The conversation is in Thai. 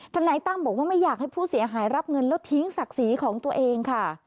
นายตั้มบอกว่าไม่อยากให้ผู้เสียหายรับเงินแล้วทิ้งศักดิ์ศรีของตัวเองค่ะ